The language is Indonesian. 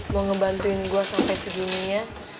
mau ngebantuin gue sampai segininya